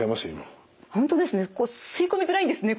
吸い込みづらいんですね